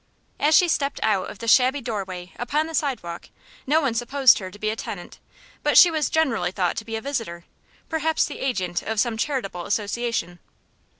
As she stepped out of the shabby doorway upon the sidewalk no one supposed her to be a tenant, but she was generally thought to be a visitor, perhaps the agent of some charitable association.